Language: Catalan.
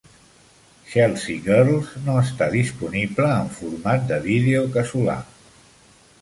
"Chelsea Girls" no està disponible en format de vídeo casolà.